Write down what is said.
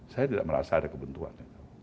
saya tidak merasa ada kebuntuan itu